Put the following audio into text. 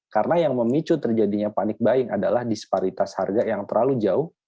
karena yang memicu terjadinya panic buying adalah disparitas harga yang terlalu jauh